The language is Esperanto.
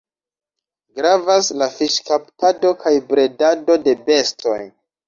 Gravas la fiŝkaptado kaj bredado de bestoj.